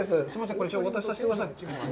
これじゃあお渡しさしてください。